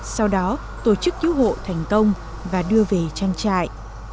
sau đó tổ chức cứu hộ thành công và đưa về trang trại